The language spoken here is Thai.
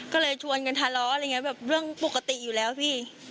ก็เลยชวนกันทะเลาะเรื่องปกติอยู่แล้วพี่